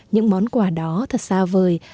những món quà đó thật xa vời